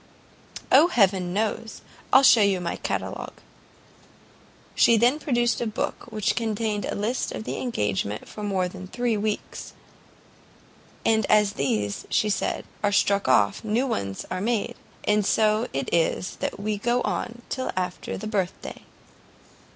"O, heaven knows; I'll shew you my catalogue." She then produced a book which contained a list of engagements for more than three weeks. "And as these," she said, "are struck off, new ones are made; and so it is we go on till after the birth day."